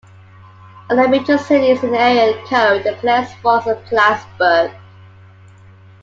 Other major cities in the area code are Glens Falls and Plattsburgh.